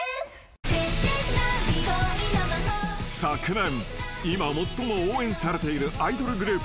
［昨年今最も応援されているアイドルグループ１位に輝いた］